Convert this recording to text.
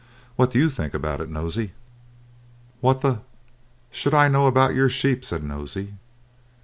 What do you think about it, Nosey?" "What the should I know about your sheep?" said Nosey.